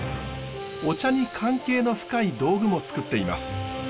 お茶に関係の深い道具もつくっています。